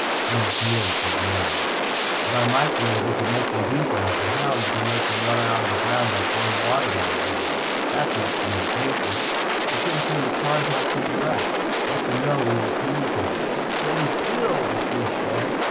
'" Then he sneered at his memory. "With our microwave we could make them do things. But hell, you can make them run out of the ground by pouring water down their hole. That's not communication! We couldn't seem to contact them direct make them know we were communicating." "But you still " the Chief said.